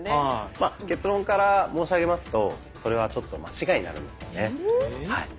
まあ結論から申し上げますとそれはちょっと間違えになるんですよね。